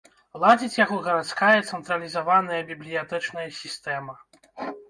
Ладзіць яго гарадская цэнтралізаваная бібліятэчная сістэма.